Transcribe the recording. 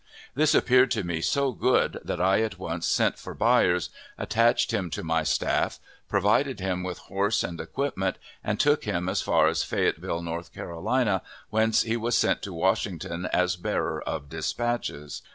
This appeared to me so good that I at once sent for Byers, attached him to my staff, provided him with horse and equipment, and took him as far as Fayetteville, North Carolina, whence he was sent to Washington as bearer of dispatches.